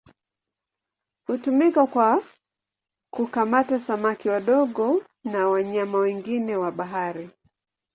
Hutumika kwa kukamata samaki wadogo na wanyama wengine wa bahari.